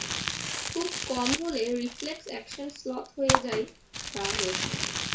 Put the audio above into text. ঘুম খুব কম হলে রিফ্লেক্স অ্যাকশান শ্লথ হয়ে যায়-তা হয়েছে।